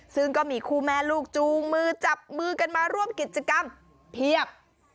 ซึ่งก็มีคู่แม่ลูกจูงมือจับมือกันมาร่วมกิจกรรมเพียบ